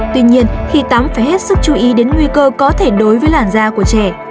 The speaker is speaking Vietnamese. tuy nhiên khi tắm phải hết sức chú ý đến nguy cơ có thể đối với làn da của trẻ